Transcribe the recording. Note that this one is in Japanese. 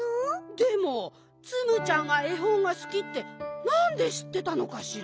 でもツムちゃんがえほんがすきってなんでしってたのかしら？